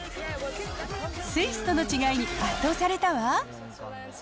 スイスとの違いに圧倒されたわ。